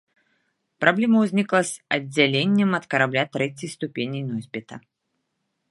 Праблема ўзнікла з аддзяленнем ад карабля трэцяй ступені носьбіта.